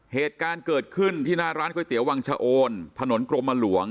เหตุการณ์เกิดขึ้นที่หน้าร้านก๋วยเตี๋ยววังชะโอนถนนกรมหลวง